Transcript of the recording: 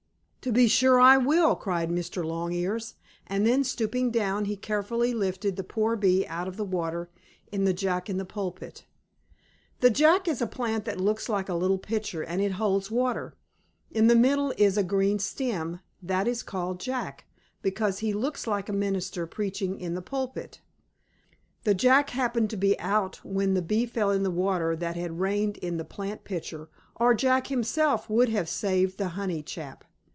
"To be sure I will!" cried Mr. Longears, and then, stooping down he carefully lifted the poor bee out of the water in the Jack in the pulpit. The Jack is a plant that looks like a little pitcher and it holds water. In the middle is a green stem, that is called Jack, because he looks like a minister preaching in the pulpit. The Jack happened to be out when the bee fell in the water that had rained in the plant pitcher, or Jack himself would have saved the honey chap.